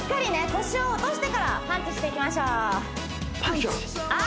腰を落としてからパンチしていきましょうあ